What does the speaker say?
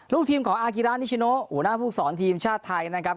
ลูกทีมของอากิรานิชิโนหัวหน้าภูมิสอนทีมชาติไทยนะครับ